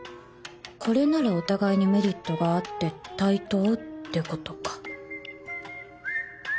これならお互いにメリットがあって対等って事か